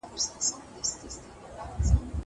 پدې سورت کي د پاچهانو بحث سته.